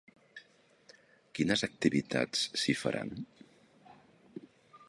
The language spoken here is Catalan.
Quines activitats s'hi faran?